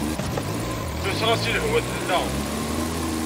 Ḥusseɣ-as i lehwa tella.